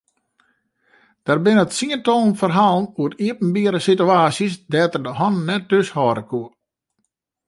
Der binne tsientallen ferhalen oer iepenbiere situaasjes dêr't er de hannen net thúshâlde koe.